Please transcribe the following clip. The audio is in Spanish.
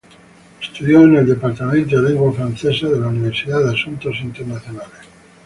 Estudió en el departamento de lengua francesa de la Universidad de Asuntos Internacionales.